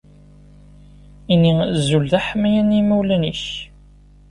Ini azul d aḥmayan i yimawlan-ik.